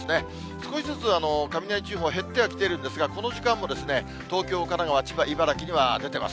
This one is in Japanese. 少しずつ雷注意報は減ってはきているんですが、この時間も東京、神奈川、千葉、茨城には出てます。